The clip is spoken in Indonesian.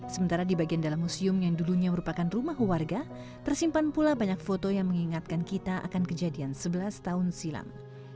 sementara di bagian dalam museum yang dulunya merupakan rumah warga tersimpan pula banyak foto yang mengingatkan kita akan kejadian sebelas tahun silam